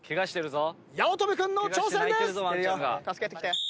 八乙女君の挑戦です！